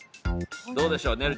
どうでしょう？